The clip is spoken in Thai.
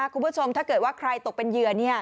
คุณผู้ชมถ้าเกิดว่าใครตกเป็นเหยื่อ